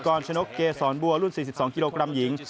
ชนกเกษรบัวรุ่น๔๒กิโลกรัมหญิง